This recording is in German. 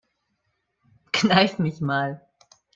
Kneif mich mal.